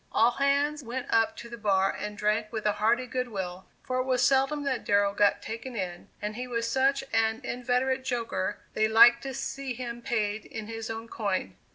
All hands went up to the bar and drank with a hearty good will, for it was seldom that Darrow got taken in, and he was such an inveterate joker they liked to see him paid in his own coin.